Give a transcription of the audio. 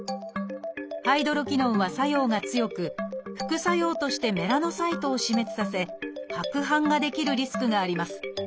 ハイドロキノンは作用が強く副作用としてメラノサイトを死滅させ白斑が出来るリスクがあります。